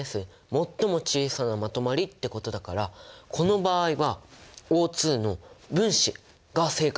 最も小さなまとまりってことだからこの場合はＯの分子が正解なんじゃないかな？